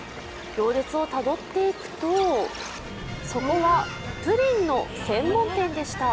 行列をたどっていくとそこはプリンの専門店でした。